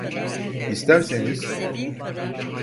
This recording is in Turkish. İsterseniz…